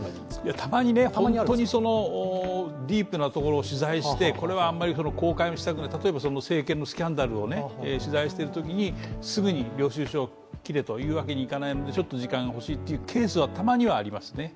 たまに本当にディープなところを取材してこれはあまり公開したくない例えば政権のスキャンダルを取材しているときに、すぐに領収書を切れというわけにいかないので、ちょっと時間が欲しいというケースは、たまにはありますね。